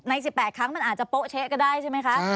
๑๘ครั้งมันอาจจะโป๊ะเช๊ะก็ได้ใช่ไหมคะ